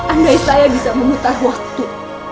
andai saya bisa memutar waktu